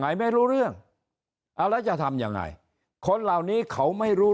ไหนไม่รู้เรื่องเอาแล้วจะทำยังไงคนเหล่านี้เขาไม่รู้